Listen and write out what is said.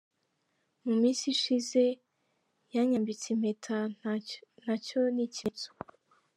Mu minsi ishize yanyambitse impeta nacyo ni ikimenyetso.